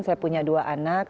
saya punya dua anak